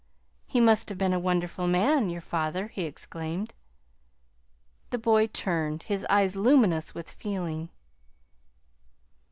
"He must have been a wonderful man your father!" he exclaimed. The boy turned, his eyes luminous with feeling.